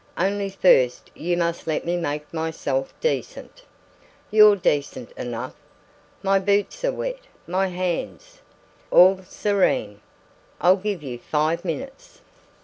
"Only first you must let me make myself decent." "You're decent enough!" "My boots are wet; my hands " "All serene! I'll give you five minutes."